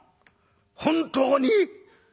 本当に？